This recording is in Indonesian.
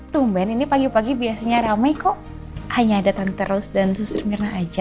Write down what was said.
tumben ini pagi pagi biasanya rame kok hanya datang terus dan susitnya rena aja